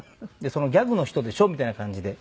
「そのギャグの人でしょ？」みたいな感じで。